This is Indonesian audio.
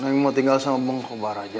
saya mau tinggal sama bang kobar aja